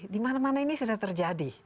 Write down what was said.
di mana mana ini sudah terjadi